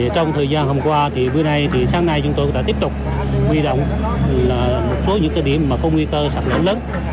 trong thời gian hôm qua thì bữa nay thì sáng nay chúng tôi đã tiếp tục huy động một số những cái điểm mà không nguy cơ sạt lở lớn